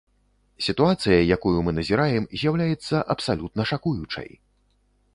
Сітуацыя, якую мы назіраем, з'яўляецца абсалютна шакуючай!